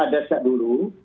ada setelah dulu